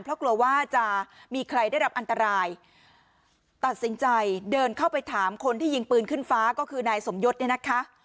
เพราะกลัวว่าจะมีใครได้รับอันตรายตัดสินใจเดินเข้าไปถามคนที่ยิงปืนขึ้นฟ้าก็คือนายสมยศเนี่ยนะคะ